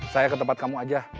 saya ke tempat kamu aja